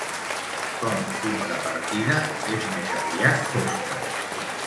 Com contrapartida és més aviat fosca.